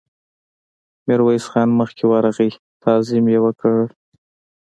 ميرويس خان مخکې ورغی، تعظيم يې وکړ.